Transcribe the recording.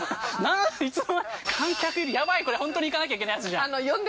やばい、これ、ほんとに行かなきゃいけないやつじゃん。